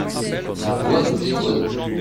La voix de Piquoiseau.